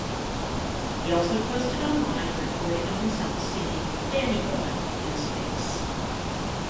He also posted online a recording of himself singing "Danny Boy" in space.